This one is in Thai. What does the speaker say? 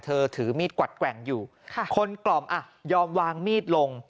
ถือมีดกวัดแกว่งอยู่คนกล่อมอ่ะยอมวางมีดลง